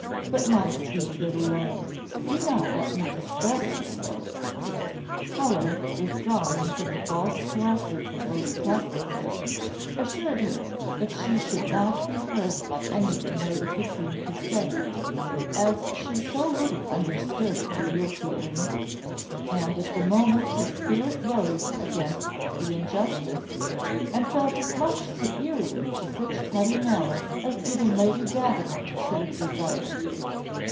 But, my sweet little lamb, do not let me distress you so." Helen, withdrawing from the false caresses of Lady Castlefort, assured her that she should not be hurt by any thing Lady Katrine could say, as she so little understood her real feelings; and at the moment her spirit rose against the injustice, and felt as much superior to such petty malice as even Lady Davenant could have desired.